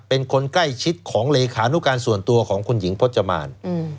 เป็นคนใกล้ชิดของเลขานุการส่วนตัวของคุณหญิงพจมาน